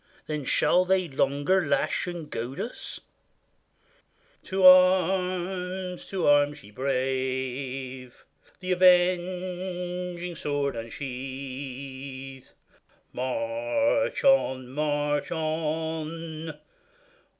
Then shall they longer lash and goad us? To arms ! to arms ! ye brave ! The avenging sword unsheathe; March on ! march on